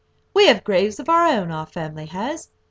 We have graves of our own, our family has.